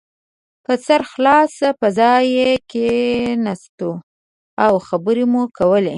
په سرخلاصه فضا کې کښېناستو او خبرې مو کولې.